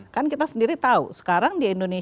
kan kita sendiri tahu sekarang di indonesia